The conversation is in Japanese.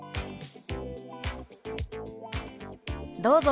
どうぞ。